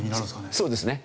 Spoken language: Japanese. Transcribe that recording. そうですね。